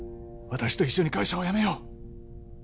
私と一緒に会社を辞めよう